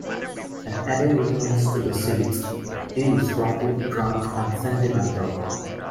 When Eddie returns to the seats, he is sloppy drunk and sentimental.